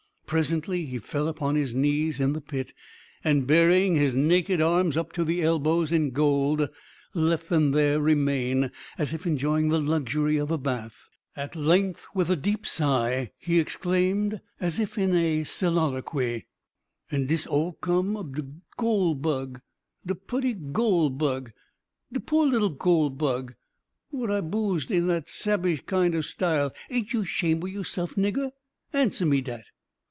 Presently he fell upon his knees in the pit, and burying his naked arms up to the elbows in gold, let them there remain, as if enjoying the luxury of a bath. At length, with a deep sigh, he exclaimed, as if in a soliloquy: "And dis all cum ob de goole bug! de putty goole bug! de poor little goole bug, what I boosed in that sabage kind ob style! Aint you shamed ob yourself, nigger? answer me dat!"